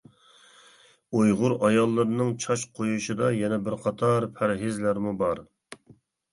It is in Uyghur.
ئۇيغۇر ئاياللىرىنىڭ چاچ قويۇشىدا يەنە بىر قاتار پەرھىزلەرمۇ بار.